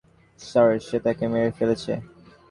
Sir, সে তাকে মেরে ফেলেছে!